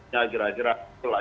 ya kira kira itu lah